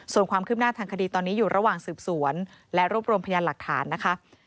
ส่วนความคืบหน้าทางคดีตอนนี้อยู่ระหว่างสืบสวนและรวบรวมพยานหลักฐานนะคะ